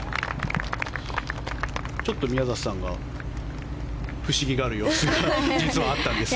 ちょっと宮里さんが不思議がる様子が実はあったんですが。